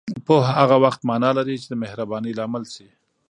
پوهه هغه وخت معنا لري چې دمهربانۍ لامل شي